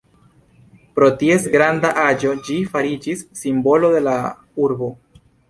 Pro ties granda aĝo ĝi fariĝis simbolo de la urbo.